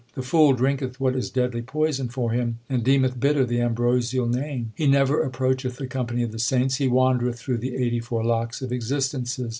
The fool drinketh what is deadly poison for him, And deemeth bitter the ambrosial Name. He never approacheth the company of the saints ; He wandereth through the eighty four lakhs of existences.